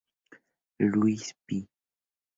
Luis Py.